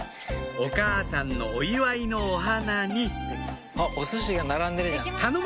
お母さんのお祝いのお花におすしが並んでるじゃん。